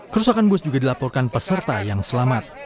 kerusakan bus juga dilaporkan peserta yang selamat